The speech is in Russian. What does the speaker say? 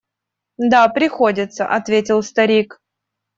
– Да, приходится, – ответил старик.